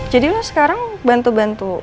jadi lo sekarang bantu bantu mahalatuh